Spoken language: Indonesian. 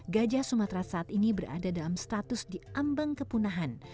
gajah sumatera saat ini berada dalam status diambang kepunahan